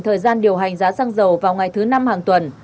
thời gian điều hành giá xăng dầu vào ngày thứ năm hàng tuần